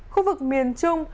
khu vực miền trung